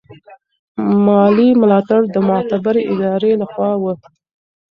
مالي ملاتړ د معتبرې ادارې له خوا و.